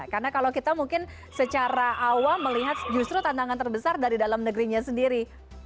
karena kalau kita mungkin secara awal melihat justru tantangan terbesar dari dalam negerinya sendiri